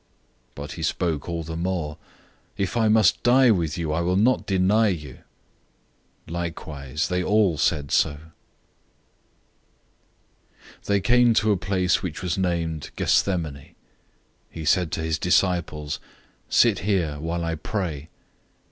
014:031 But he spoke all the more, "If I must die with you, I will not deny you." They all said the same thing. 014:032 They came to a place which was named Gethsemane. He said to his disciples, "Sit here, while I pray."